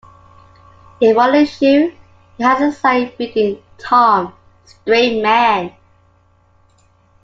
In one issue, he has a sign reading 'Tom - Straight Man'.